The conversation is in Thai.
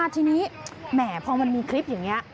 ทีนี้แหมพอมันมีคลิปอย่างนี้